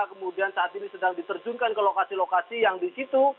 kemudian saat ini sedang diterjunkan ke lokasi lokasi yang di situ